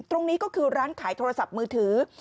ตรงนี้ก็คือร้านขายโทรศัพท์มือถือ